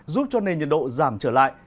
giúp cho nền nhiệt độ giảm trở lại